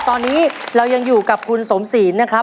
ตอนนี้เรายังอยู่กับคุณสมศีลนะครับ